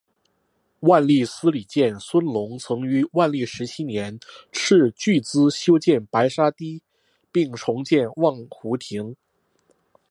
万历朝司礼监孙隆曾于万历十七年斥巨资修筑白沙堤并重建望湖亭。